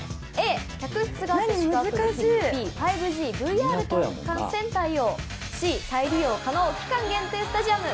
Ａ、客室があって宿泊できるＢ、５ＧＶＲ観戦対応Ｃ、再利用可能期間限定スタジアム。